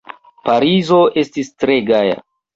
Parizo estis tre gaja.